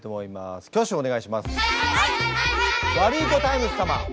ワルイコタイムス様。